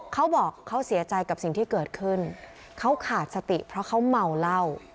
เขาบอกเขาเสียใจกับสิ่งที่เกิดขึ้นเขาขาดสติเพราะเขาเมาเหล้า